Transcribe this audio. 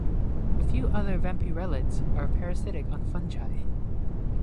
A few other vampyrellids are parasitic on fungi.